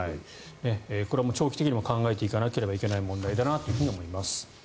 これ、長期的にも考えていかなきゃいけない問題だと思います。